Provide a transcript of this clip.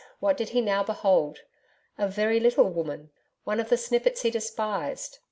What did he now behold? A very little woman. One of the snippets he despised.